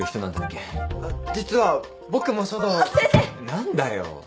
何だよ。